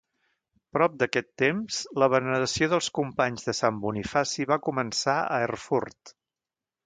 Prop d'aquest temps la veneració dels companys de sant Bonifaci va començar a Erfurt.